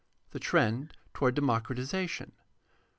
The trend toward democratization.